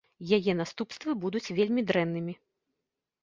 Яе наступствы будуць вельмі дрэннымі.